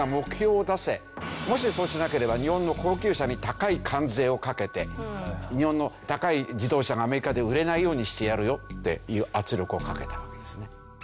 もしそうしなければ日本の高級車に高い関税をかけて日本の高い自動車がアメリカで売れないようにしてやるよっていう圧力をかけたわけですね。